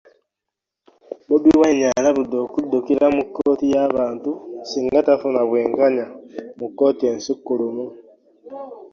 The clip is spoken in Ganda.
Bobi Wine alabudde okuddukira mu kkooti y'abantu singa tafuna bwenkanya mu kkooti ensukkulumu